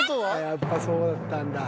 やっぱそうだったんだ。